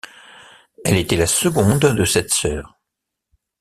Elle était la seconde de sept sœurs.